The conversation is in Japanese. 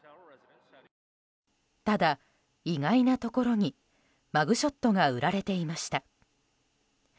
ただ、意外なところにマグショットが売られていました。